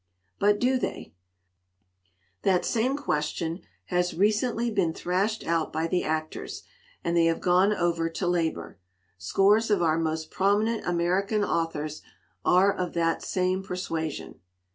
But do they ? That same ques tion has recently been thrashed out by the actors, and they have gone over to labor. Scores of our most prominent American authors are of that same persuasion.